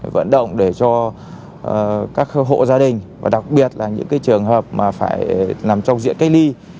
vận động để cho các hộ gia đình và đặc biệt là những trường hợp mà phải nằm trong diện cách ly